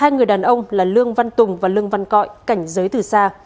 hai người đàn ông là lương văn tùng và lương văn cọi cảnh giới từ xa